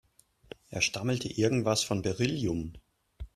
Er stammelte irgendwas von Beryllium.